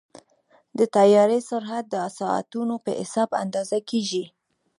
د طیارې سرعت د ساعتونو په حساب اندازه کېږي.